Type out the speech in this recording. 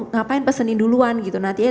ngapain pesenin duluan gitu nanti aja